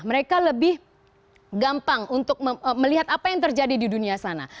mereka lebih gampang untuk melihat apa yang terjadi di dunia sana